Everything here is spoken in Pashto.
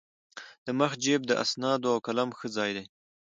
د مخ جېب د اسنادو او قلم ښه ځای دی.